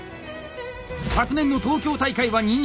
昨年の東京大会は２位。